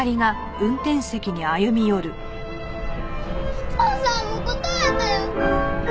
お父さんも答えてよ！